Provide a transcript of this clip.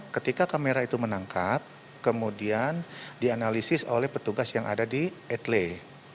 ketika kamera itu menangkap kemudian dianalisis oleh petugas yang ada di etley